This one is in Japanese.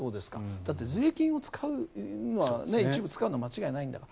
だって税金を一部使うのは間違いないんだから。